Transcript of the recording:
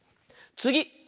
つぎ！